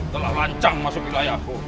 telah lancang masuk wilayahku